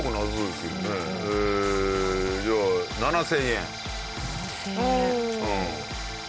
７０００円。